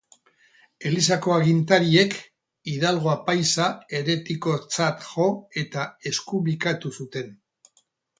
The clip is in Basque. Elizako agintariek Hidalgo apaiza heretikotzat jo eta eskumikatu zuten.